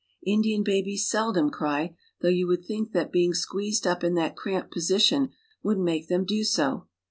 Indian babies seldom cry, though you would think that being squeezed up in that cramped position would make them do so.